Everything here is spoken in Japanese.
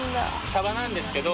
サバなんですけど。